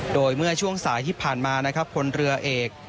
โดยเมื่อช่วงสายที่ผ่านมานะครับคนเรือเอก